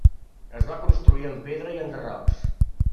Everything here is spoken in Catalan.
Es va construir amb pedra i enderrocs.